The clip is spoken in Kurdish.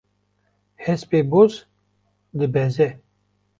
Hespê boz dibeze.